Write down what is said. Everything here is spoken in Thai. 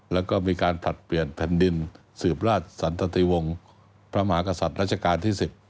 แล้วก็มีการผลัดเปลี่ยนแผ่นดินสืบราชสันตติวงศ์พระมหากษัตริย์ราชการที่๑๐